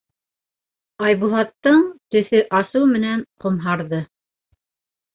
Айбулаттың төҫө асыу менән ҡомһарҙы.